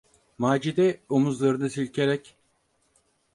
Macide omuzlarını silkerek: